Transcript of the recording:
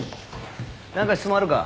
何か質問あるか？